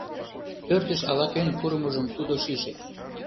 Пӧртыш ала-кӧн пурымыжым тудо шиже.